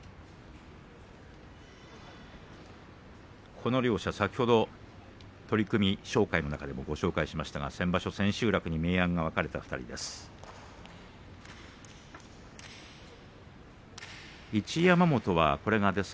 この両者は先ほど取組紹介の中でもご紹介しましたが先場所千秋楽で明暗が分かれた両者です。